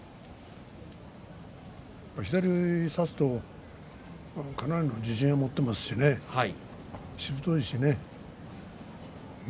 左を差すとかなりの自信を持っていますし、しぶといしね。